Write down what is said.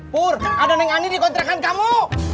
pur ada yang aneh dikontrakan kamu